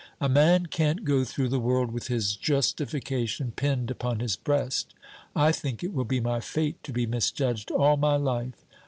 A man can't go through the world with his justification pinned upon his breast. I think it will be my fate to be misjudged all my life.